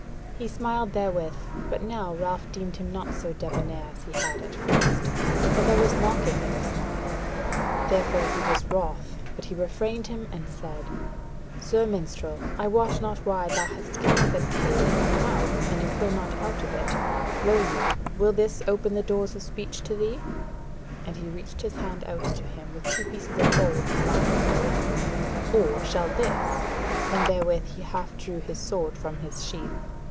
He smiled therewith, but now Ralph deemed him not so debonnaire as he had at first, for there was mocking in the smile; therefore he was wroth, but he refrained him and said: "Sir Minstrel, I wot not why thou hast come with a tale in thy mouth and it will not out of it: lo you, will this open the doors of speech to thee" (and he reached his hand out to him with two pieces of gold lying therein) "or shall this?" and therewith he half drew his sword from his sheath.